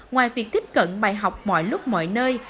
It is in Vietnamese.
ngoài việc tiếp cận bài học mọi lúc mọi nơi